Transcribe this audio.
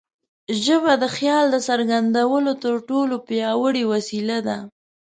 ژبه د خیال د څرګندولو تر ټولو پیاوړې وسیله ده.